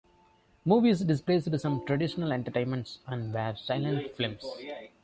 Movies displaced some traditional entertainments, and were silent films.